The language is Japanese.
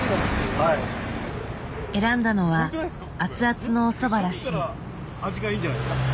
選んだのは熱々のおそばらしい。